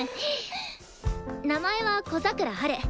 名前は小桜ハル。